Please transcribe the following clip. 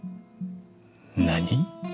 何！？